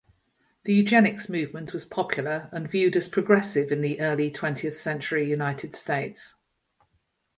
The eugenics movement was popular and viewed as progressive in the early-twentieth-century United States.